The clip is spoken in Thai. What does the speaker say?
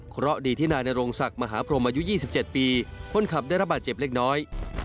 เพราะดีที่นายนโรงศักดิ์มหาพรมอายุ๒๗ปีคนขับได้รับบาดเจ็บเล็กน้อย